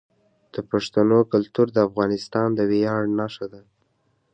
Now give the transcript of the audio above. د پښتنو کلتور د افغانستان د ویاړ نښه ده.